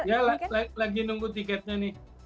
ya lagi nunggu tiketnya nih